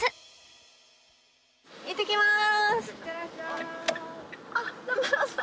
行ってきます！